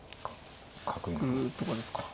角とかですか。